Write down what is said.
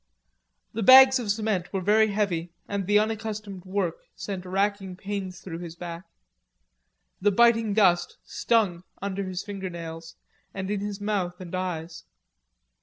The bags of cement were very heavy, and the unaccustomed work sent racking pains through his back. The biting dust stung under his finger nails, and in his mouth and eyes.